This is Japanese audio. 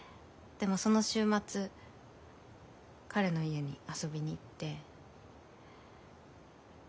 でもその週末彼の家に遊びに行って。